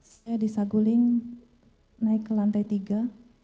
saya di saguling naik ke lantai tiga